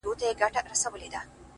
لا به په تا پسي ژړېږمه زه;